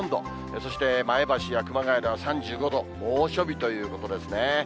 そして前橋や熊谷では３５度、猛暑日ということですね。